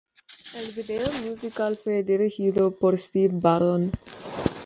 El vídeo musical fue dirigido por Steve Barron.